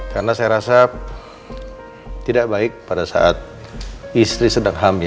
karena saya rasa tidak baik pada saat istri sedang hamil